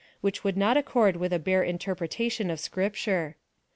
29,) wliich would not accord with a bare interpretation of Scriijture.